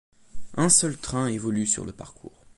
Un seul train évolue sur le parcours.